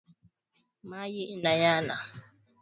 Mayi ina yala